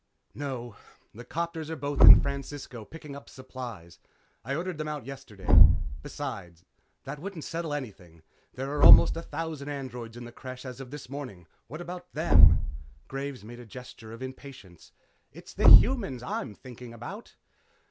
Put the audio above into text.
"No. The 'copters are both in Francisco picking up supplies. I ordered them out yesterday. Besides, that wouldn't settle anything. There are almost a thousand androids in the Creche as of this morning. What about them?" Graves made a gesture of impatience. "It's the humans I'm thinking about."